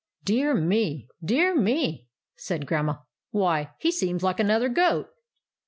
"Dear me! Dear me!" said Grandma. " Why, he seems like another goat